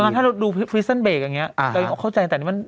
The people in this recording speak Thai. ตอนนั้นถ้าเราดูอย่างเงี้ยอ่าฮะเราเข้าใจตัวนี้มัน